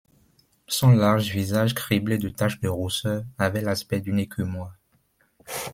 Son large visage, criblé de taches de rousseur, avait l’aspect d’une écumoire.